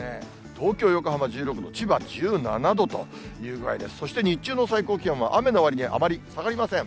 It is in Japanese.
東京、横浜、１６度、千葉１７度という具合で、そして日中の最高気温は、雨のわりにあまり下がりません。